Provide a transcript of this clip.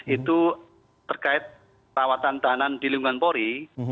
itu terkait rawatan tahanan di lingkungan polri